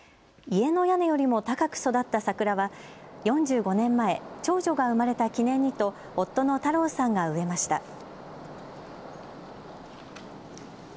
家の屋根よりも高く育った桜は４５年前、長女が生まれた記念にと夫の太郎さんが植えました。